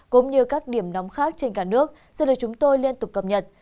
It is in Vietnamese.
cũng như các điểm nóng khác trên cả nước sẽ được chúng tôi liên tục cập nhật